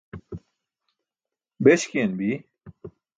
beśkiyan bi?